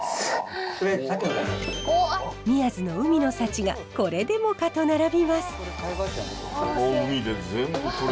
宮津の海の幸がこれでもかと並びます。